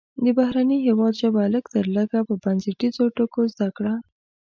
د بهرني هیواد ژبه لږ تر لږه په بنسټیزو ټکو زده کړه.